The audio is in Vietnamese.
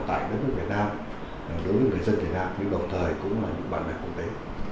đối với người việt nam đối với người dân việt nam nhưng đồng thời cũng là những bạn bè quốc tế